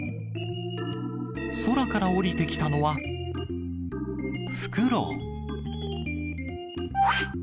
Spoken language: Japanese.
空から降りてきたのは、フクロウ。